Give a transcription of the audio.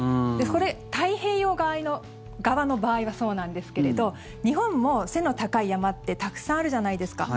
これ、太平洋側の場合はそうなんですけれど日本も背の高い山ってたくさんあるじゃないですか。